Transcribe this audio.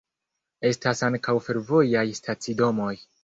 Estas ankaŭ fervojaj stacidomoj.